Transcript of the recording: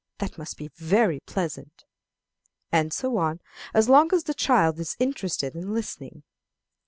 That must be very pleasant." And so on, as long as the child is interested in listening.